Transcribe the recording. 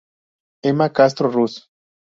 Enma Castro Ruz.